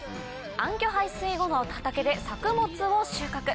暗渠排水後の畑で作物を収穫！